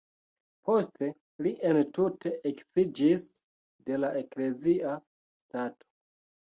Poste li entute eksiĝis de la eklezia stato.